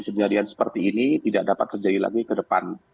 kejadian seperti ini tidak dapat terjadi lagi ke depan